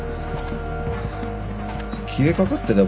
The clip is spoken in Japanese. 消えかかってた